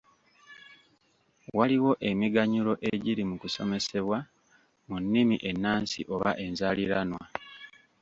Waliwo emiganyulwo egiri mu kusomesebwa mu nnimi ennansi oba enzaaliranwa.